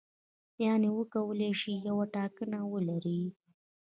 یعنې وکولای شي یوه ټاکنه ولري.